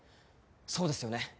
そうですよね？